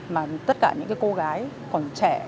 mà tất cả những cô gái còn trẻ